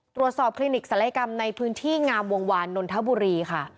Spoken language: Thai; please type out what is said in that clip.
ตรวจสอบคลินิกสลายกรรมในพื้นที่งามวงวานนนทบุรีค่ะ